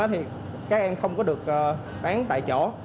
thì các em không có được bán tại chỗ